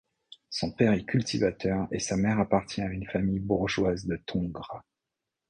Son père est cultivateur et sa mère appartient à une famille bourgeoise de Tongres.